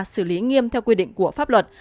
xử lý nghiêm theo quy định của pháp luật